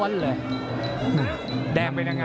กระหน่าที่น้ำเงินก็มีเสียเอ็นจากอุบลนะครับ